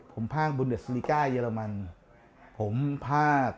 ผมฝากในเหรอมันผมพ็าก